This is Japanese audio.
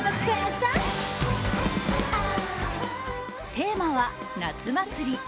テーマは夏祭り。